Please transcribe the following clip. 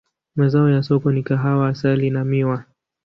Mazao ya soko ni kahawa, asali na miwa.